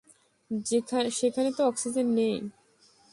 সেখানে তো অক্সিজেনই নেই।